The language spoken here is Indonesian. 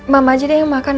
mama aja deh yang makan